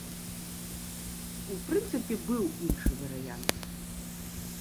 У прынцыпе, быў іншы варыянт.